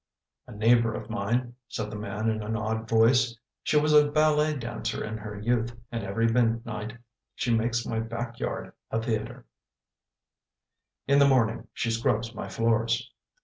" A neighbour of mine," said the man in an awed voice. " She was a ballet dancer in her youth and every midnight she makes my back yard a theater. In the morning she scrubs my floors.